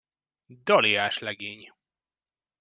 Daliás legény!